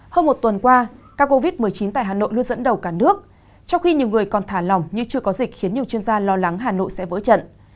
hơn một tuần qua ca covid một mươi chín tại hà nội luôn dẫn đầu cả nước trong khi nhiều người còn thả lòng như chưa có dịch khiến nhiều chuyên gia lo lắng hà nội sẽ vỡ trận